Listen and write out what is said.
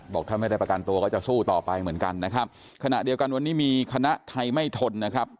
บอกถ้าไม่ได้ประกันตัวก็จะสู้ต่อไปเหมือนกันนะครับขณะเดียวกันวันนี้มีคณะไทยไม่ทนนะครับ